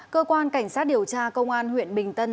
cơ quan cảnh sát điều tra công an huyện bình tân